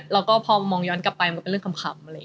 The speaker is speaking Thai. เราก็พอมองย้อนกลับไปมันก็เป็นเรื่องขำ